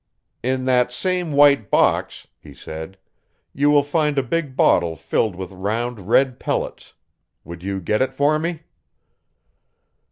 "In that same white box," he said, "you will find a big bottle filled with round red pellets. Would you get it for me?"